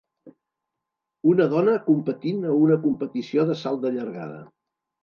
Una dona competint a una competició de salt de llargada.